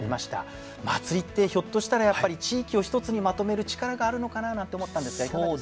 祭りってひょっとしたらやっぱり地域を一つにまとめるチカラがあるのかななんて思ったんですがいかがです？